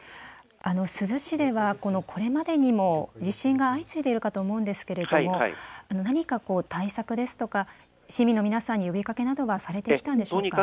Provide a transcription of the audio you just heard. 珠洲市では、これまでにも地震が相次いでいるかと思うんですけれども何か対策ですとか市民の皆さんに呼びかけなどはされてきたんでしょうか。